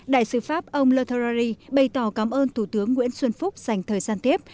đại sứ pháp ông le terrarie bày tỏ cảm ơn thủ tướng nguyễn xuân phúc dành thời gian tiếp